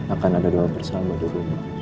akan ada doa bersama di rumah